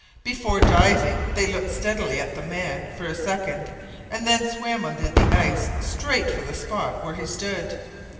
Before diving they looked steadily at the man for a second, and then swam under the ice straight for the spot where he stood.